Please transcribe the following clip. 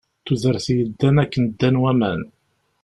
Tudert yeddan akken ddan waman.